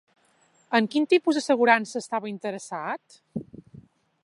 En quin tipus d'assegurança estava interessat?